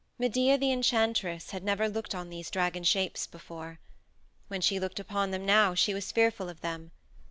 Medea the Enchantress had never looked on these dragon shapes before. When she looked upon them now she was fearful of them.